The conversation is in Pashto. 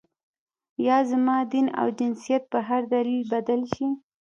یا زما دین او جنسیت په هر دلیل بدل شي.